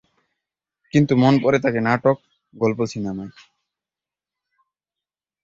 কিন্তু মন পড়ে থাকে নাটক, গল্প সিনেমায়।